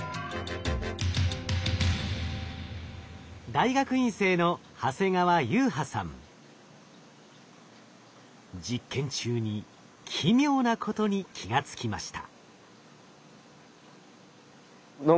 大学院生の実験中に奇妙なことに気が付きました。